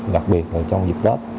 đặc biệt là trong dịp tết